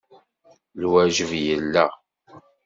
Lwajeb yella.